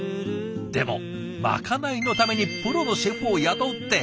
でもまかないのためにプロのシェフを雇うって。